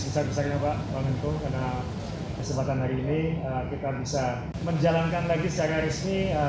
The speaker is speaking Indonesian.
bisa bisanya pak mengenung karena kesempatan hari ini kita bisa menjalankan lagi secara resmi